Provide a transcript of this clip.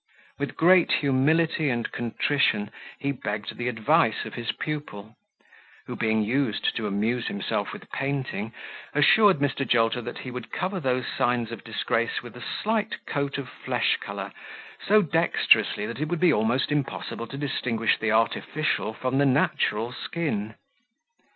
With great humility and contrition he begged the advice of his pupil, who being used to amuse himself with painting, assured Mr. Jolter that he would cover those signs of disgrace with a slight coat of flesh colour so dexterously, that it would be almost impossible to distinguish the artificial from the natural skin.